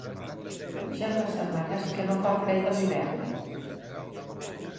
Ja fa setmanes que no fa fred a l'hivern.